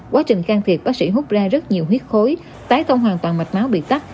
quá trình can thiệp bác sĩ hút ra rất nhiều huyết khối tái công hoàn toàn mạch máu bị tắt